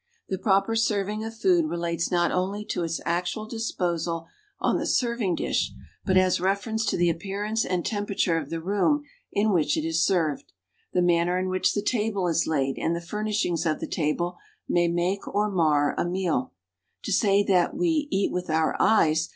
The proper serving of food relates not only to its actual disposal on the serving dish, but has refer ence to the appearance and temperature of the room in which it is served. The manner in which the table is laid and the furnishings of the table may make or mar a meal. To say that "we eat with our eyes"